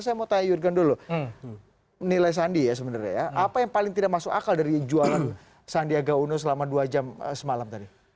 saya mau tanya jurgen dulu nilai sandi ya sebenarnya ya apa yang paling tidak masuk akal dari jualan sandiaga uno selama dua jam semalam tadi